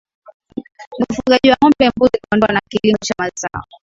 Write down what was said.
ni ufugaji wa Ngombe Mbuzi Kondoo na kilimo cha mazao